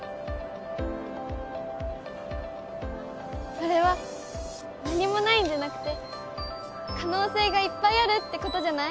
それは何もないんじゃなくて可能性がいっぱいあるってことじゃない？